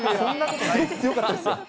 強かったですよ。